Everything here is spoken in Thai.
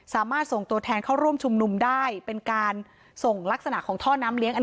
สามารถส่งตัวแทนเข้าร่วมชุมนุมได้เป็นการส่งลักษณะของท่อน้ำเลี้ยอัน